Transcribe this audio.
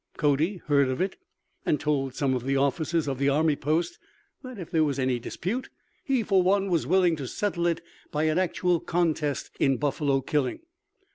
Cody heard of it, and told some of the officers of the army post that if there was any dispute, he for one was willing to settle it by an actual contest in buffalo killing.